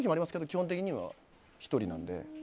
基本的には１人なので。